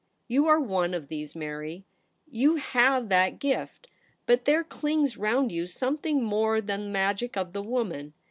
You are one of these, Mary. You have that gift ; but there clings round you something more than the magic of the woman.